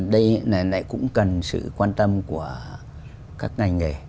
đây lại cũng cần sự quan tâm của các ngành nghề